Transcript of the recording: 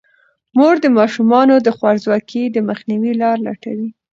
مور د ماشومانو د خوارځواکۍ د مخنیوي لارې لټوي.